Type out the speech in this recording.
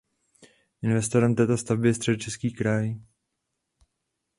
Investorem této stavby je Středočeský kraj.